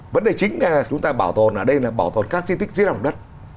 vấn đề chính chúng ta bảo tồn ở đây là bảo tồn các di tích dưới lòng đất